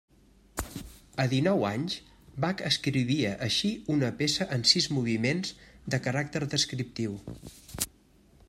A dinou anys, Bach escrivia així una peça en sis moviments de caràcter descriptiu.